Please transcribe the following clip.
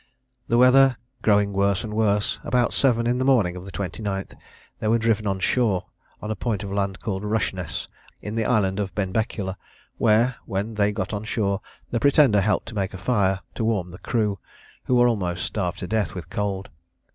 The weather growing worse and worse, about seven in the morning of the 29th, they were driven on shore on a point of land called Rushness, in the island of Benbecula, where, when they got on shore, the Pretender helped to make a fire to warm the crew, who were almost starved to death with cold.